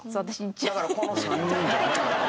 だからこの３人じゃない。